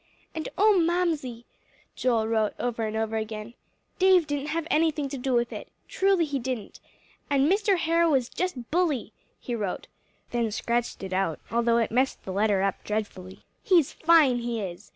"And oh, Mamsie," Joel wrote over and over, "Dave didn't have anything to do with it truly he didn't. And Mr. Harrow is just bully," he wrote, then scratched it out although it mussed the letter up dreadfully "he's fine, he is!